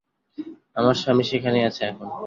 আমার স্বামী সেখানেই আছে এখন।